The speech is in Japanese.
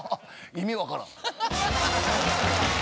意味わからん。